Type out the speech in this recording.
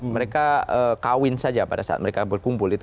mereka kawin saja pada saat mereka berkumpul itu